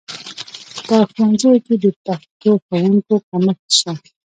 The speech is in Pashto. په ښوونځیو کې د پښتو ښوونکو کمښت شته